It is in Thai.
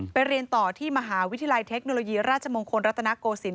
เรียนต่อที่มหาวิทยาลัยเทคโนโลยีราชมงคลรัตนโกศิล